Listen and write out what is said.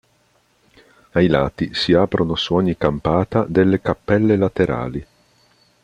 Ai lati si aprono su ogni campata delle cappelle laterali.